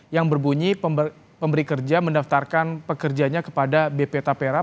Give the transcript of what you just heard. yang berbunyi pemberi kerja mendaftarkan pekerjanya kepada bp tapera